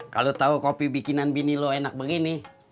kalo tau kopi bikinan bini lo enak begini